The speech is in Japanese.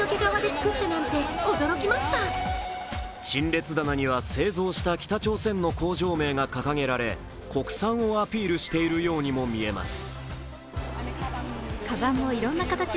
陳列棚には製造した北朝鮮の工場名が掲げられ国産をアピールしているようにも見えます。